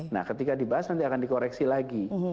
nah ketika dibahas nanti akan dikoreksi lagi